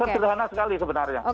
sederhana sekali sebenarnya